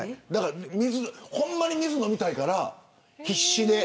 ほんまに、水飲みたいから必死で。